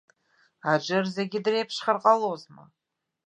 Аџыр зегьы дреиԥшхар ҟалозма!